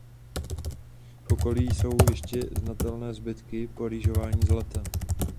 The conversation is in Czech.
V okolí jsou ještě znatelné zbytky po rýžování zlata.